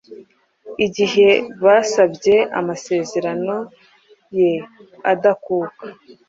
igihe basabye amasezerano ye adakuka,